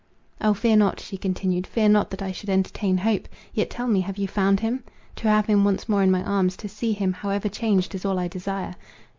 "O, fear not," she continued, "fear not that I should entertain hope! Yet tell me, have you found him? To have him once more in my arms, to see him, however changed, is all I desire.